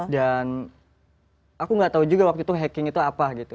dan aku gak tahu juga waktu itu hacking itu apa